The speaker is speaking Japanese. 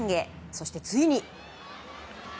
そして、ついに。